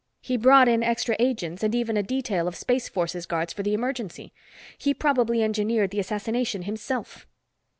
He brought in extra agents and even a detail of Space Forces guards for the emergency. He probably engineered the assassination himself."